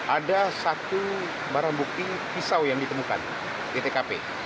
ada satu barang bukti pisau yang ditemukan di tkp